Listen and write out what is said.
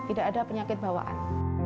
tidak ada penyakit bawaan